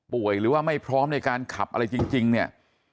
หรือว่าไม่พร้อมในการขับอะไรจริงเนี่ย